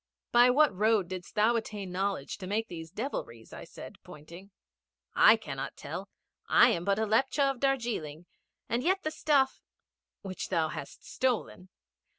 'By what road didst thou attain knowledge to make these devilries?' I said, pointing. 'I cannot tell. I am but a Lepcha of Darjeeling, and yet the stuff ' 'Which thou hast stolen.'